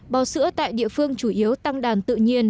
bò sữa tại địa phương chủ yếu tăng đàn tự nhiên